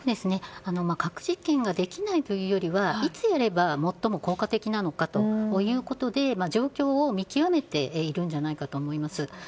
核実験ができないというよりはいつやれば最も効果的なのかということで状況を見極めているんじゃないかと思います。